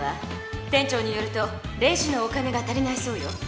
店長によるとレジのお金がたりないそうよ。